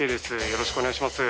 よろしくお願いします。